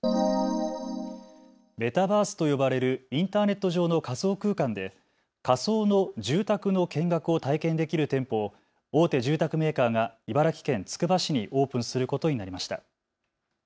メタバースと呼ばれるインターネット上の仮想空間で仮想の住宅の見学を体験できる店舗を大手住宅メーカーが茨城県つくば市にオープンすることになりました。